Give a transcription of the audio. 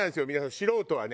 素人はね